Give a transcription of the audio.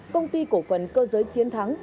công ty cổ phần cơ giới chiến thắng